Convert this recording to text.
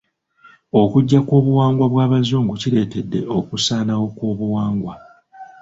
Okujja kw'obuwangwa bw'Abazungu kireetedde okusaanawo kw'obuwangwa.